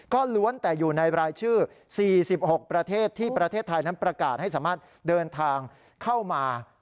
ก็ล้วนแต่อยู่ในรายชื่อ๔๖ประเทศที่ประเทศไทยนั้นประกาศให้สามารถเดินทางเข้ามา